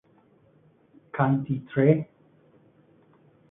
Canti tre.